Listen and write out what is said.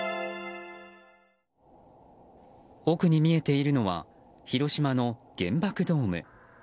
奥に見えているのは広島の原爆ドーム。